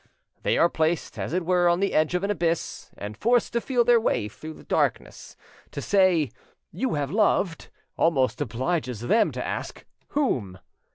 They are placed as it were on the edge of an abyss, and forced to feel their way in darkness. To say "You have loved" almost obliges them to ask "Whom?"